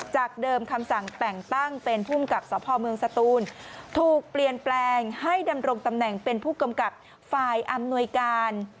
จากเดิมคำสั่งแต่งตั้งเป็นภูมิกับสพเมืองสตูนถูกเปลี่ยนแปลงให้ดำรงตำแหน่งเป็นผู้กำกับฝ่ายอำนวยการ